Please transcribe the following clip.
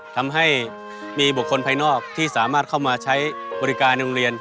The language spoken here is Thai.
ทำให้มีบุคคลภายนอกที่สามารถเข้ามาใช้บริการในโรงเรียน